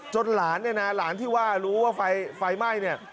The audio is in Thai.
หลานเนี่ยนะหลานที่ว่ารู้ว่าไฟไหม้เนี่ย